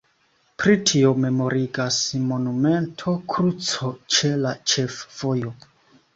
Pri tio memorigas monumento kruco ĉe la ĉefvojo.